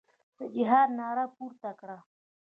د جهاد ناره پورته کړه.